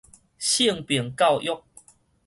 性平教育